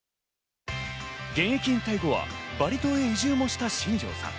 現役引退後はバリ島へ移住もした新庄さん。